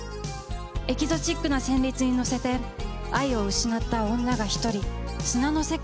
エキゾチックな旋律にのせて愛を失った女が一人砂の世界をさまよいます。